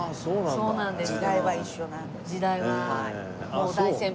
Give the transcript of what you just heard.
そうなんです。